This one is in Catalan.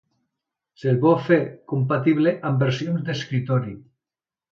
Se'l vol fer compatible amb versions d'escriptori.